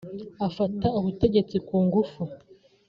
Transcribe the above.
afata ubutegetsi ku ngufu